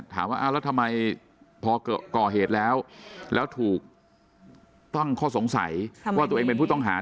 ถามว่าแล้วทำไมพอก่อเหตุแล้วแล้วถูกต้องข้อสงสัยว่าตัวเองเป็นผู้ต้องหา